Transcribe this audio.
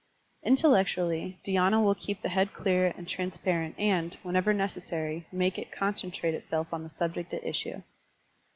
Intellectually, dhydna will keep the head clear and transparent and, whenever necessary, make it concentrate itself on the subject at issue.